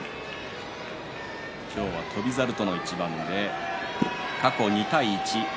今日は翔猿との一番で過去２対１。